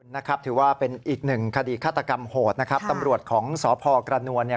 นะครับถือว่าเป็นอีกหนึ่งคดีฆาตกรรมโหดนะครับตำรวจของสพกระนวลเนี่ย